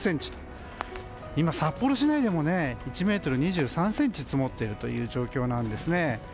今、札幌市内でも１ｍ２３ｃｍ積もっているという状況なんですね。